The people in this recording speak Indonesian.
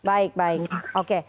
baik baik oke